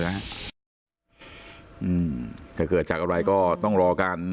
อืมจะเกิดจากอะไรก็ต้องรอการ